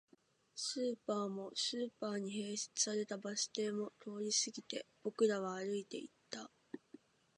スーパーも、スーパーに併設されたバス停も通り過ぎて、僕らは歩いていった